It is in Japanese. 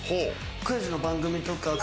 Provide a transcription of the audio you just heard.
クイズの番組とか。